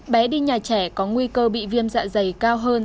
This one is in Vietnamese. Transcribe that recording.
bé đi nhà trẻ có nguy cơ bị viêm dạ dày cao hơn